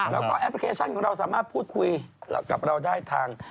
แล้วก็แอปพลิเคชันของเราสามารถพูดคุยกับเราได้ทาง